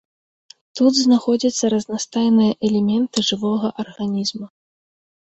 Тут знаходзяцца разнастайныя элементы жывога арганізма.